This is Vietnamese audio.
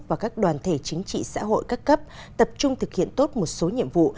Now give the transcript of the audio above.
và các đoàn thể chính trị xã hội các cấp tập trung thực hiện tốt một số nhiệm vụ